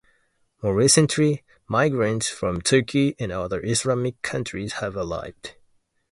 More recently, migrants from Turkey and other Islamic countries have arrived.